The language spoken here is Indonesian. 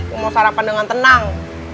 mau sarapan dengan tenang